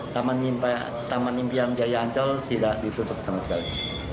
taman impian jaya ancol tidak ditutup sama sekali